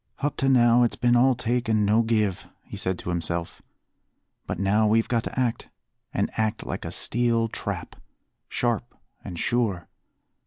"Up to now it's been all take and no give," he said to himself; "but now we've got to act, and act like a steel trap, sharp and sure.